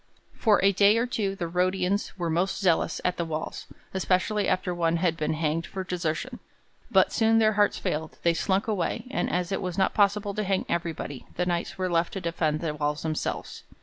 For a day or two the Rhodians were most zealous at the walls especially after one had been hanged for desertion but soon their hearts failed; they slunk away, and as it was not possible to hang everybody the Knights were left to defend the walls themselves.